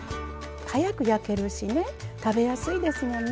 早く焼けるし食べやすいですもんね。